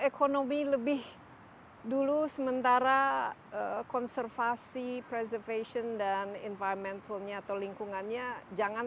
ekonomi lebih dulu sementara konservasi preservation dan environmentalnya atau lingkungannya jangan